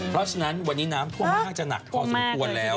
เพราะฉะนั้นวันนี้น้ำท่วมค่อนข้างจะหนักพอสมควรแล้ว